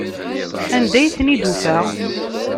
Anda ay ten-id-tufa?